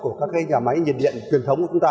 của các cái nhà máy nhiệt điện truyền thống của chúng ta